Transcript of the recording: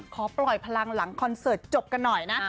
ขอปล่อยพลังหลังคอนเสิร์ตจบกันหน่อยนะ